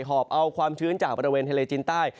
อบเอาความชื้นจากบริเวณทะเลจีนใต้